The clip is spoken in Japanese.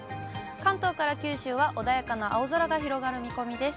関東から九州は穏やかな青空が広がる見込みです。